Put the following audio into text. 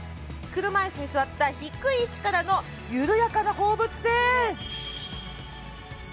車いすに座った低い位置からの緩やかな放物線。